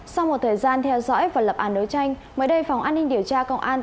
sau một thời gian theo dõi và lập án đấu tranh mới đây phòng an ninh điều tra công an